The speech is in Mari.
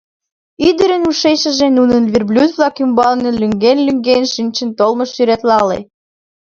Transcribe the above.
Ӱдырын ушешыже нунын верблюд-влак ӱмбалне лӱҥген-лӱҥген шинчын толмышт сӱретлалте.